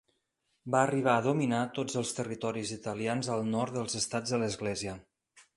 Va arribar a dominar tots els territoris italians al nord dels Estats de l'Església.